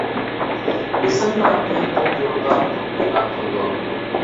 بېسىم پەرقى توك يولىدا توك پەيدا قىلىدۇ.